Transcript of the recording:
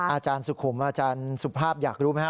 อาจารย์สุขุมอาจารย์สุภาพอยากรู้ไหมครับ